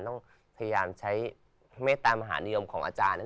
ต้องพยายามใช้เมตตามหานิยมของอาจารย์